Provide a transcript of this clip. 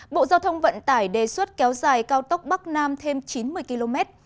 bộ giao thông vận tải đề xuất kéo dài cao tốc bắc nam thêm chín mươi km